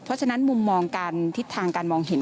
เพราะฉะนั้นมุมมองการทิศทางการมองเห็น